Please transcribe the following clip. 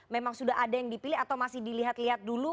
memang sudah ada yang dipilih atau masih dilihat lihat dulu